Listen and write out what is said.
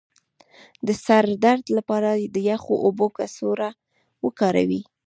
د سر د درد لپاره د یخو اوبو کڅوړه وکاروئ